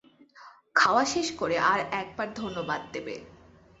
খাওয়া শেষ করে আর একবার ধন্যবাদ দেবে।